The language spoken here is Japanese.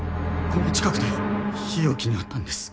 この近くで日置に会ったんです。